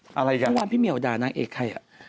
ผมก็ว่าคุณพี่เมียวดาร้านนักเอกใครอะ